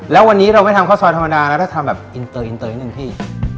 แล้ววันนี้เราไม่ทำข้าวซอยธรรมดาแล้วถ้าทำแบบอินเตอร์อินเตอร์นิดนึงพี่